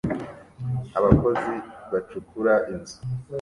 Abakozi bacukura inzu